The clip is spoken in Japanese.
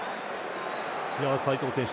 齋藤選手